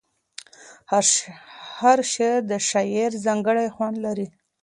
هر شعر د شاعر ځانګړی خوند لري.